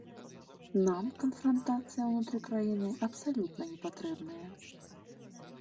Нам канфрантацыя ўнутры краіны абсалютна не патрэбная.